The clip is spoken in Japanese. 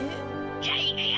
「じゃあいくよ！」